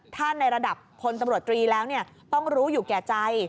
ถ้าในระดับพลตำรวจตรีแล้วต้องรู้อยู่แก่ใจ